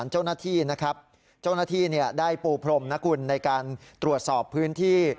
เจ้าหน้าที่ได้ปูพรมนะคุณในการตรวจสอบพื้นที่